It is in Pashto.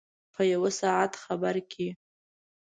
په یو ساعت خبر کې.